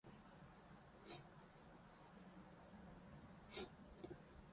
根拠もないのに、むやみにありもしない物、または情況を作り出すこと。